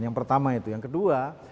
yang pertama itu yang kedua